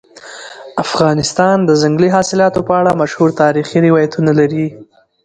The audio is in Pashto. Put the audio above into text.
افغانستان د ځنګلي حاصلاتو په اړه مشهور تاریخي روایتونه لري.